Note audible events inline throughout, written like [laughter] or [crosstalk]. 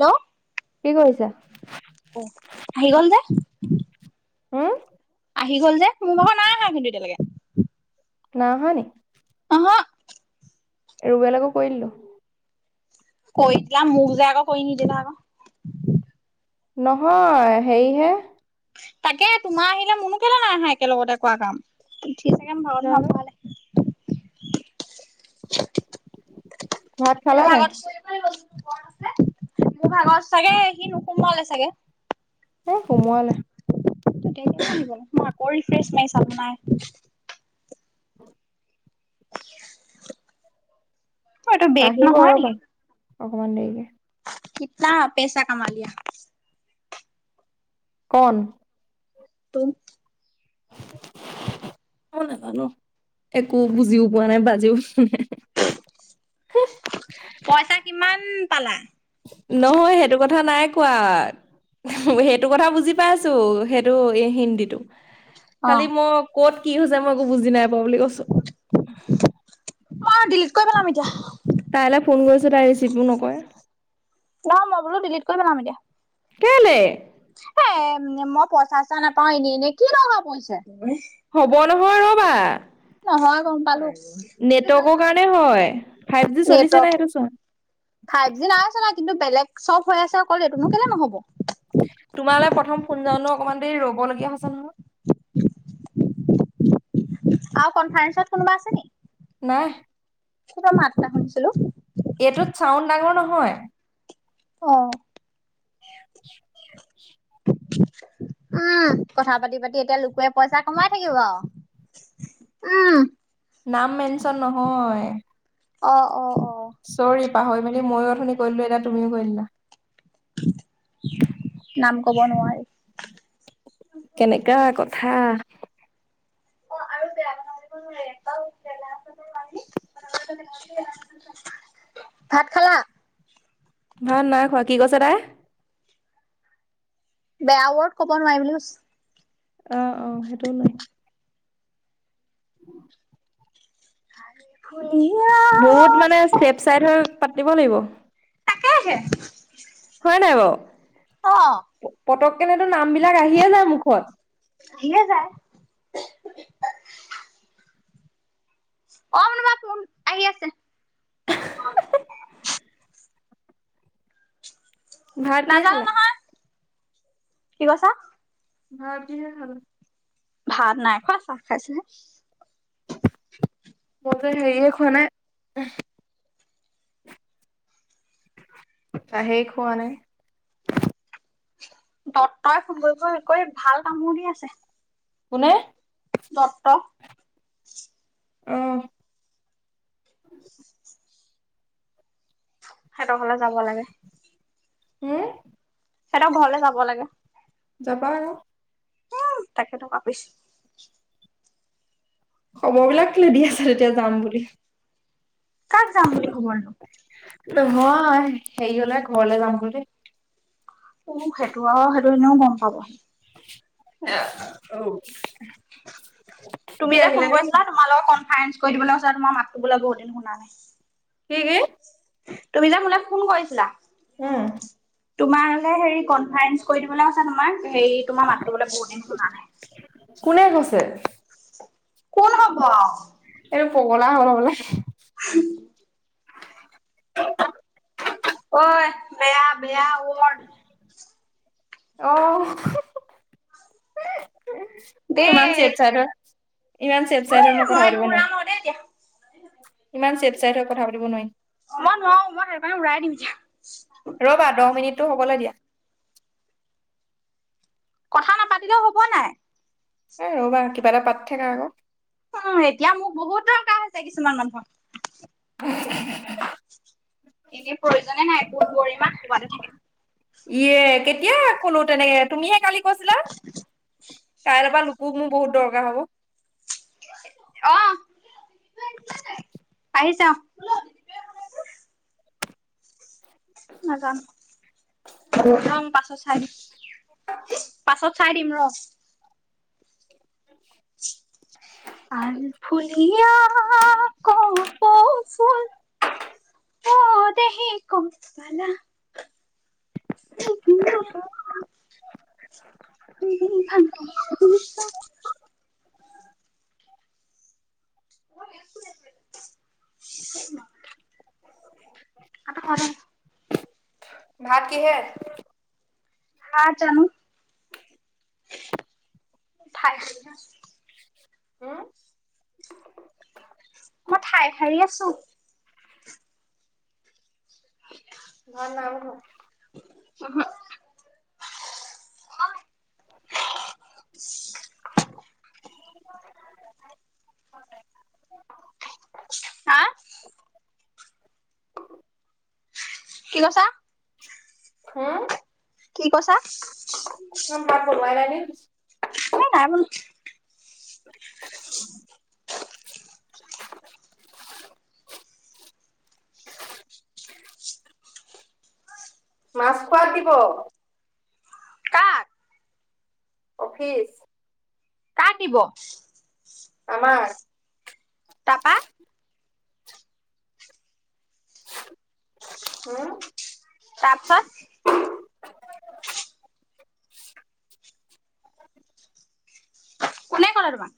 Hello কি কৰিছা? আহি গল যে। উ। হম। আহি গ'ল যে মোৰ ভাগৰ নাই আহা কিন্তু এতিয়ালৈকে। না আহা নি। অহ ৰবেলাকো কৰিলো। কৈ দিলা মোক যে মোক যে আক কৈ নিদিলা আক। নহয় সেৰিহে তাকে তোমাৰ আহিলে মনো কেলে নাই আহা একেলগতে জানো কোৱা [unintelligible] ভাত খালা [unintelligible] নাই? আছে মোৰ ভাগত চাগে সি নোসোমোৱালে চাগে এ সোমোৱালে ই আকৌ চাব নাই [unintelligible] এইটো বেগ ন আহিব হয় নি ৰ'বা অকমান দেৰিকে কিতনা পেচা কমা লিয়া কণ তোম ম নাজানো একো বুজিও পোৱা নাই বাজেও পইচা কিমান পালা নহয় সেইটো কথা নাই কোৱা সেইটো কথা বুজি পাই আছো সেইটো হিন্দীটো অ খালি মই কত কি হৈছে মই একো বুজি নাই বুলি কৈছো কৈ পেলাম এতিয়া তাইলৈ ফোন কৰিছো তাই ৰিচিভো নকৰে নহয় মই বোলো ডিলিট কৰি পেলাম এতিয়া কেলে উ মই পইচা চ ইচা নাপাও এনেই এনেই কি দৰকাৰ পৰিছে হ'ব নহয় ৰবা নহয় গম পালো নেটৱৰ্কৰ কাৰণে হয় ফাইভ জি চলিছে নেটৱৰ্ক ন সেইটো চোৱা ফাইভ জি নাই চলা কিন্ত বেলেগ চপ হৈ আছে নাই কিন্তু বেলেগ চব হৈ আছে অকল এইটোনো কেলে নহব তোমালৈ প্ৰথম ফোন যানো অকমান দেৰি ৰ'ব লগগীয়া হৈছে নহয়। আৰু কনফাৰেন্সত কোনোবা আছে নেকি। নাই। মাত এটা শুনিছিলো। এইটোত চাউণ্ড ডাঙৰ নহয়। অহ। [unintelligible] [unintelligible] উম কথা পাতি পাতি এতিয়া লোকে পইচা কমাই থাকিব আৰু। উম। নাম মেনচন নহয়। অ অ অ। চৰি পাহৰি মেলি ময়ো অধুনি কৰিলো এটা তুমিও কৰিললা। নাম কব নোৱাৰি। কেনেকা কথা। অ আৰু বেয়া বনাব লাগিব নোৱাৰে বেলা আছে পি ব। ভাত খালা। ভাত নাই খোৱা কি কৈছে তাই। বেয়া ৱৰ্ড কব নোৱাৰিম বুলি কৈছ। অহ অ সেইটোও নাই। আল ফুলীয়া। বহুত মানে চেফ চাইড হৈ পাতিব লাগিব। তাকেহে। হয় নাই বাও। অ পতক কেনেতো নামবিলাক আহিয়ে যায় মুখত। আহিয়ে যায় অ মনোবা ফোন আহি আছে। ভাত কিহে নাজানো খালা। নহয় কি কৈছা? ভাত কিহে খালা? ভাত নাই খোৱা চাহ খাইছেহে। মইত হেৰি এ খোৱা নাই উহ। চাহেই খোৱা নাই। দত্তই ফোন কৰি ভাল কামোৰ দি আছে। কোনে। দত্ত অহ। হেতৰফালে যাব লাগে। হু সিহঁক ঘৰলে যাব লাগে। যাবা আৰু। উম তাকেতো ভাবিছো। খবৰ বিলাক লেদি আছে তেতিয়া যাম বুলি। কাক যাম বুলি খবৰ নো। নহয় হেৰি হলে ঘৰলে যাম বুলি। উ সেইটো আৰু সেইটো এনেও গম পাব। [unintelligible] সি তুমি যে আহিলে ফোন নেকি? কৰিছিলা তোমাৰ লগত কনফাৰেন্ঞ্চ কৰি দিবলৈ কৈছিল তোমাৰ মাতটো বোলে বহুত দিন শুনা নাই। কি কি? তুমি যে মোলে ফোন কৰিছিলা? উম। তোমাৰ হলে হেৰি কনফাৰেন্ঞ্চ কৰি দিবলৈ কৈছে তোমাৰ, হেৰি তোমাৰ মাতটো বুলে বহুত দিন শুনা নাই? কোনে কৈছে? কোন হব? পগলা হ'ল বুলে। [inaudible] ঐ বেয়া বেয়া ৱৰ্ড অহ হু হু। দেই ইমান চেফ চাইদৰ, ইমান চেফ এই চাইদৰ মই কথা এইটো পাতিব নোৱাও। উৰাম আৰু দেই এতিয়া ইমান চেফ চাইট হৈ কথা পাতিব নোৱাৰি। মই নোৱাৰো মই সেইটো কাৰণে উৰাই দিম এতিয়া ৰবা দহ মিনিটটো হবলৈ দিয়া। কথা নাপাতিলেও হব নাই? এ ৰ'বা কিবা এটা পাত থাকে আক। উম এতিয়া মোক বহুত দৰকাৰ হৈছে কিছুমান মানুহৰ। [unintelligible] এনেই প্ৰয়োজনে নাই, কোন গৰিমা ক'ৰবাতে থাকে। ইয়ে কেতিয়া কলো তেনেকে তুমিহে কালি কৈছিলা? কাইলৈৰ পৰা লুকু মোৰ বহুত দৰকাৰ হব। অ। আহিছা অ। [unintelligible] পাছত চাই দিম ৰ। আৰু ফুল কিয়া ক পচোন অ দেহি কম পালা [inaudible] ভ [inaudible] [inaudible] আটা হয় ভাত কিহে? হা জানো থাই হুম! মই ঠাই হাৰী আছো। ভাত নাই বনোৱা। উহু। [inaudible] হা! কি কছা? উম, কি কৈছা? খা বনুৱাই নাই নে? হে নাই বনু মাছ খোৱাত দিব। কাৰ? অফিচ। কাক দিব? আমাক। তাৰপা উম তাৰপিছত কোনে কলেৰ বা?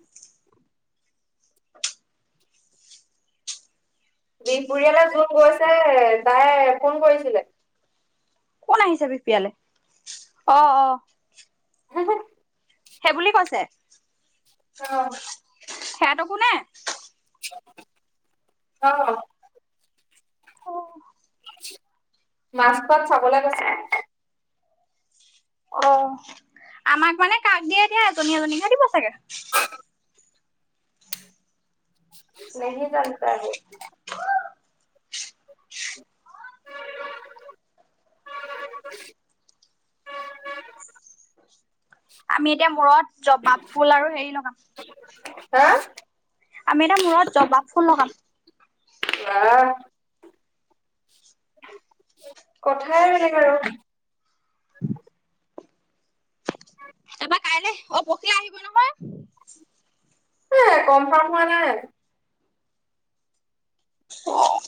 বিহপৰিয়ালে যোন গৈছে তাই ফোন কৰিছিলে। কোন আহিছে বিপিয়লে? অ-অ। সেইবুলি কৈছে অ সেহেতকো নে? অ। অহ। মাছ পাত চাবলে গৈছে। অ, আমাক মানে কাক দিয়ে দিয়া, এজনী এজনীকে দিব চাগে। নেহি যানতা হে। আমি এতিয়া মূৰত জবাপ ফুল আৰু হেৰি লগাম। হা আমি এটা মূৰত বজাব ফুল লগাম। বাহ [unintelligible] তাপা কাইলৈ অ পখিয়ে আহিব নহয়। কমফাৰ্ম হোৱা নাই। অ অ'ক।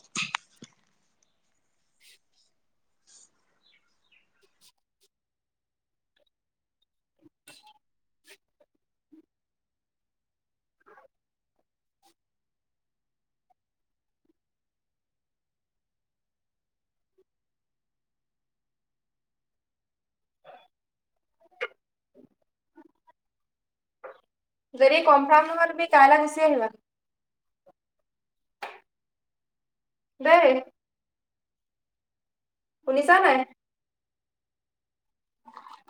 যদি কমফ্ৰাম নহয় তুমি কাইলে গোচি আহিবা। দেই। শুনিছা নাই।